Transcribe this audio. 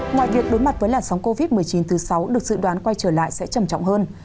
ngoài việc đối mặt với làn sóng covid một mươi chín thứ sáu được dự đoán quay trở lại sẽ trầm trọng hơn